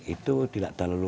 itu tidak terlalu